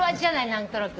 何となく。